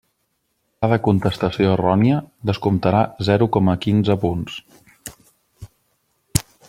Cada contestació errònia descomptarà zero coma quinze punts.